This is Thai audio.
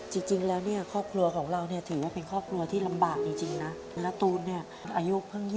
จริงแล้วเนี่ย